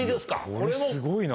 これすごいな。